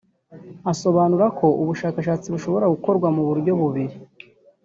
Asobanura ko ubushakashatsi bushobora gukorwa mu buryo bubiri